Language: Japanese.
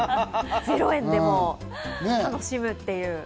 ０円でも楽しむという。